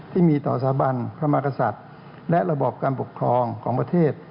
ที่มีต่อสถาบันพระมากษัตริย์และระบอบการปกครองของประเทศ